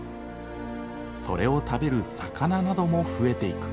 それを食べる魚なども増えていく。